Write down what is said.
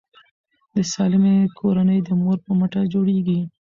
د سالمې کورنۍ د مور په مټه جوړیږي.